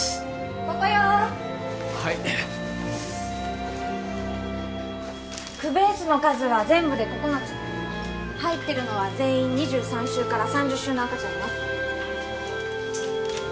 ・ここよはいクベースの数は全部で九つ入ってるのは全員２３週３０週の赤ちゃんよ